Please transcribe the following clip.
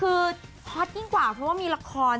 คือฮอตยิ่งกว่าเพราะว่ามีละคร